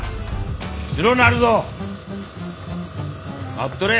待っとれ！